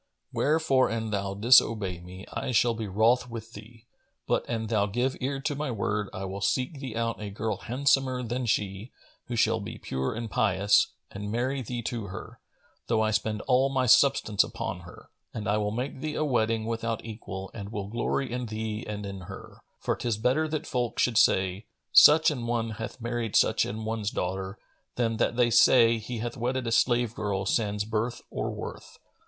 Wherefore an thou disobey me, I shall be wroth with thee; but, an thou give ear to my word, I will seek thee out a girl handsomer than she, who shall be pure and pious, and marry thee to her, though I spend all my substance upon her; and I will make thee a wedding without equal and will glory in thee and in her; for 'tis better that folk should say, Such an one hath married such an one's daughter, than that they say, He hath wedded a slave girl sans birth or worth."